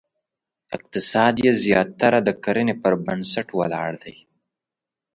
اقتصاد یې زیاتره د کرنې پر بنسټ ولاړ دی.